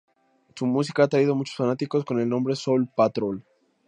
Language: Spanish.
Su música ha atraído a muchos fanáticos, con el nombre "Soul Patrol".